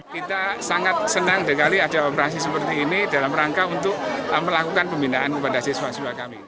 kita sangat senang sekali ada operasi seperti ini dalam rangka untuk melakukan pembinaan kepada siswa siswa kami